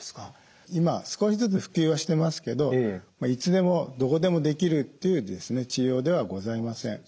今少しずつ普及はしてますけどいつでもどこでもできるっていう治療ではございません。